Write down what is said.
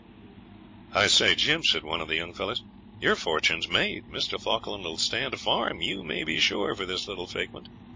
'I say, Jim,' said one of the young fellows, 'your fortune's made. Mr. Falkland 'll stand a farm, you may be sure, for this little fakement.'